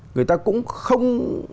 người ta cũng không